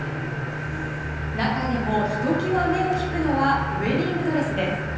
中でも、ひときわ目を引くのはウェディングドレスです。